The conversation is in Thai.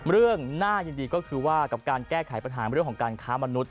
เรื่องน่ายินดีก็คือว่ากับการแก้ไขปัญหาเรื่องของการค้ามนุษย